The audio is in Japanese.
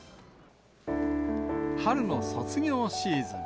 春の卒業シーズン。